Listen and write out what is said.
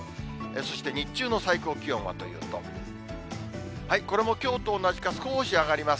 そして日中の最高気温はというと、これもきょうと同じか、少し上がります。